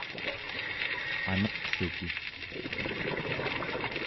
aneqluki